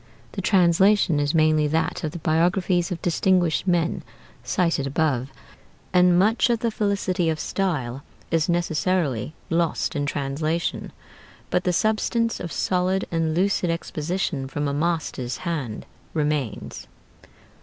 The translation is mainly that of the 'Biographies of Distinguished Men' cited above, and much of the felicity of style is necessarily lost in translation; but the substance of solid and lucid exposition from a master's hand remains.